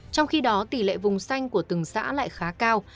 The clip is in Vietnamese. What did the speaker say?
trong khi đó tỷ lệ vùng xanh của từng xã lại khá cao